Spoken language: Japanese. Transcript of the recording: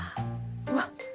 うわっ！